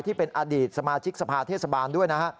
ที่เป็นอดีตสมาชิกสภาเทศบาลด้วยนะฮะ